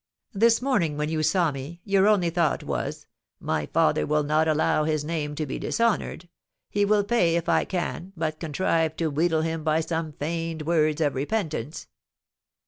"This morning when you saw me, your only thought was, 'My father will not allow his name to be dishonoured; he will pay if I can but contrive to wheedle him by some feigned words of repentance.'"